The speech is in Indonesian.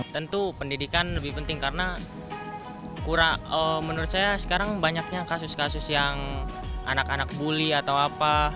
tentu pendidikan lebih penting karena kurang menurut saya sekarang banyaknya kasus kasus yang anak anak bully atau apa